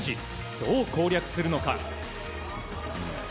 どう攻略するのか。